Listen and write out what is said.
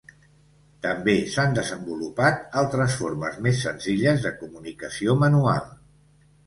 També s'han desenvolupat altres formes més senzilles de comunicació manual.